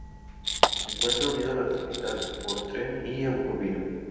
Se encuentra unido a la capital por tren y autovía.